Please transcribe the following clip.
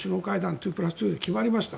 ２プラス２で決まりました。